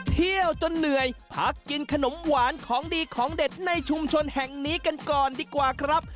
เที่ยวจนเหนื่อยพักกินขนมหวานของดีของเด็ดในชุมชนแห่งนี้กันก่อนดีกว่าครับ